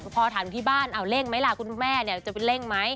พอถามนู่นที่บ้านเล่นไหมล่ะคุณแม่จะเล่นไหม